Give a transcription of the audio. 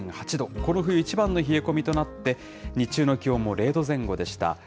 この冬一番の冷え込みとなって、日中の気温も０度前後でした。